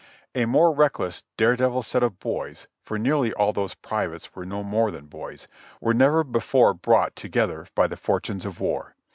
A more reckless, dare devil set of boys, for nearly all those privates were no more than boys, were never before brought to gether by the fortunes of war.